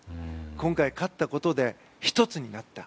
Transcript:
今回、勝ったことで１つになった。